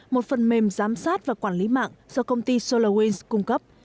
một phần mềm giám sát và quản lý mạng do công ty solary cung cấp